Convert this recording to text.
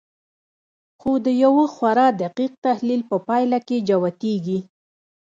خو د یوه خورا دقیق تحلیل په پایله کې جوتېږي